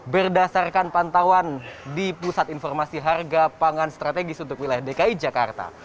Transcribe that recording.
berdasarkan pantauan di pusat informasi harga pangan strategis untuk wilayah dki jakarta